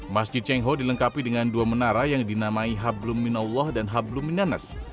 masjid cengho dilengkapi dengan dua menara yang dinamai hablum minallah dan hablum minanas